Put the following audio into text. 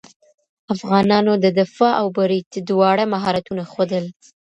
افغانانو د دفاع او برید دواړه مهارتونه ښودل.